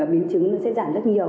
biến chứng sẽ giảm rất nhiều